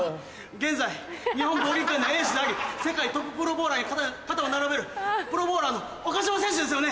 現在日本ボウリング界のエースであり世界トッププロボウラーに肩を並べるプロボウラーの岡島選手ですよね？